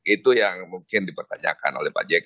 itu yang mungkin dipertanyakan oleh pak jk